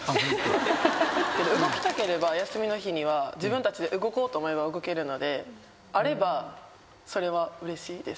動きたければ休みの日には自分たちで動こうと思えば動けるのであればそれはうれしいです